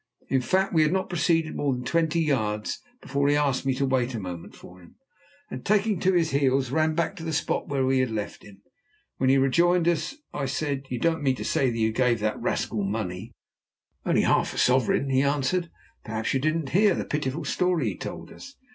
In fact, we had not proceeded more than twenty yards before he asked me to wait a moment for him, and taking to his heels ran back to the spot where we had left him. When he rejoined us I said: "You don't mean to say that you gave that rascal money?" "Only half a sovereign," he answered. "Perhaps you didn't hear the pitiful story he told us?